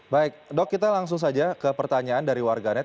baik dok kita langsung saja ke pertanyaan dari warganet